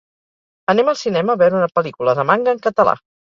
Anem al cinema a veure una pel·lícula de manga en català.